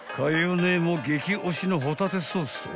姉も激推しのホタテソースと］